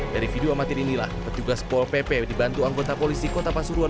dari video amatir inilah petugas pol pp dibantu anggota polisi kota pasuruan